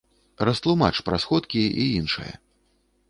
Растлумач пра сходкі і іншае.